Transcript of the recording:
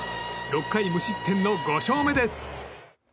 ６回無失点の５勝目です。